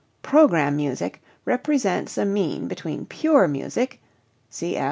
Program music represents a mean between pure music (cf.